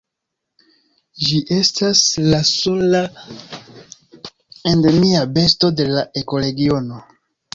Ĝi estas la sola endemia besto de la ekoregiono.